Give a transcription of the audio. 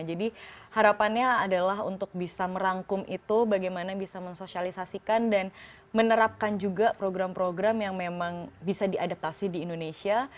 jadi harapannya adalah untuk bisa merangkum itu bagaimana bisa mensosialisasikan dan menerapkan juga program program yang memang bisa diadaptasi di indonesia